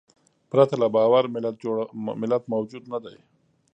پرته له باور ملت موجود نهدی.